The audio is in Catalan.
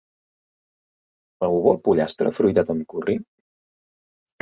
Algú vol pollastre afruitat amb curri?